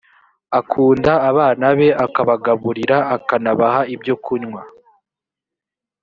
akunda abana be akabagaburira akanabaha ibyo kunywa